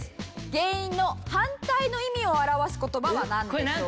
原因の反対の意味を表す言葉はなんでしょうか？